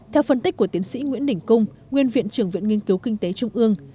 theo phân tích của tiến sĩ nguyễn đình cung nguyên viện trưởng viện nghiên cứu kinh tế trung ương